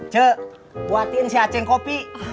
cek buatin si aceh kopi